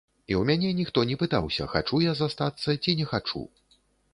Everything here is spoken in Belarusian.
І ў мяне ніхто не пытаўся, хачу я застацца ці не хачу.